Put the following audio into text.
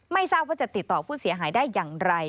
ทราบว่าจะติดต่อผู้เสียหายได้อย่างไร